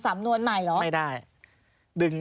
ซึ่งกองปราบจะทำหน้าที่สืบก่อน